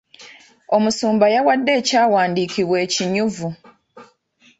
Omusumba yawadde ekyawandiikibwa ekinyuvu.